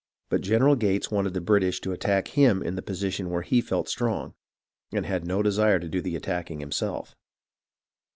But General Gates wanted the British to attack him in the position where he felt strong, and had no desire to do the attacking himself.